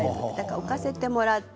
置かせてもらって。